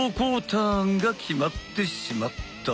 ターンが決まってしまった！